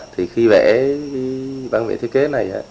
thì khi vẽ bản vẽ thiết kế này